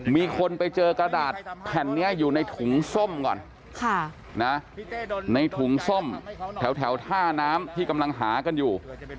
มีคนไปเจอกระดาษแผ่นนี้อยู่ในถุงส้มก่อนในถุงส้มแถวท่าน้ำที่กำลังหากันอยู่